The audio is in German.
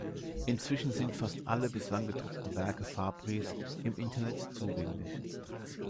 Inzwischen sind fast alle bislang gedruckten Werke Fabris im Internet zugänglich.